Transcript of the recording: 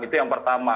itu yang pertama